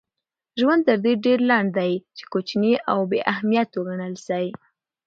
ژوند تر دې ډېر لنډ دئ، چي کوچني او بې اهمیت وګڼل سئ.